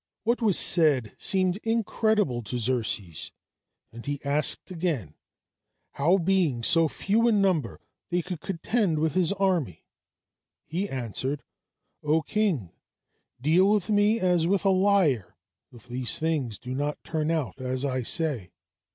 What was said seemed incredible to Xerxes and he asked again, "how, being so few in number, they could contend with his army." He answered: "O king, deal with me as with a liar if these things do not turn out as I say!"